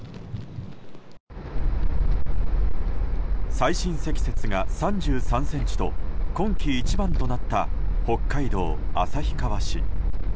最深積雪が３０ｃｍと今季一番となった北海道旭川市。